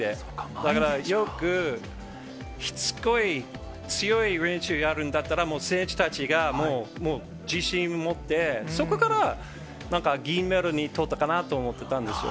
だからよくしつこい、強い練習やるんだったら、もう選手たちが、もう自信を持って、そこからなんか銀メダルにとったかなと思ったんですよ。